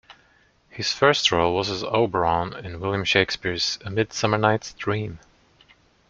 His first role was as Oberon in William Shakespeare's "A Midsummer Night's Dream".